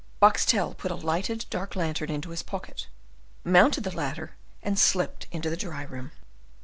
Boxtel put a lighted dark lantern into his pocket, mounted the ladder, and slipped into the dry room.